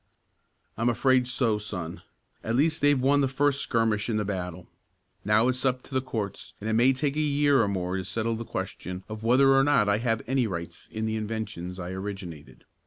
"I'm afraid so, son. At least they've won the first skirmish in the battle. Now it's up to the courts, and it may take a year or more to settle the question of whether or not I have any rights in the inventions I originated.